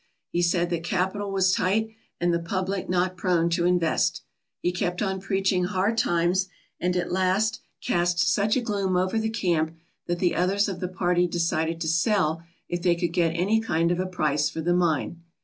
He said that capital was tight and the public not prone to invest. He kept on preaching hard times and at last cast such a gloom over the camp that the others of the party decided to sell if they could get any kind of a price for the mine.